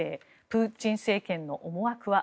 プーチン政権の思惑は。